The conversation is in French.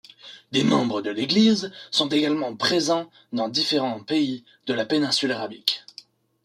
Des membres de l'Église sont également présents dans différents pays de la péninsule arabique.